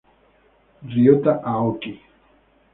Ryota Aoki